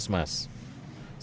sedangkan di ktp bandar lampung